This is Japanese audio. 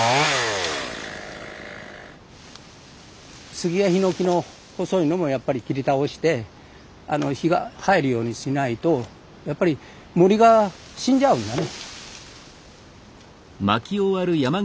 杉やヒノキの細いのもやっぱり切り倒して日が入るようにしないとやっぱり森が死んじゃうんだね。